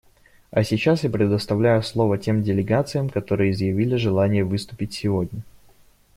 А сейчас я предоставлю слово тем делегациям, которые изъявили желание выступить сегодня.